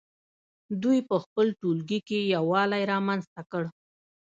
دوی په خپل ټولګي کې یووالی رامنځته کړ.